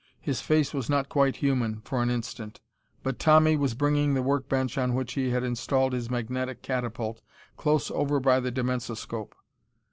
His face was not quite human, for an instant. But Tommy was bringing the work bench on which he had installed his magnetic catapult, close over by the dimensoscope.